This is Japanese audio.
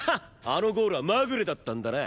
あのゴールはまぐれだったんだな。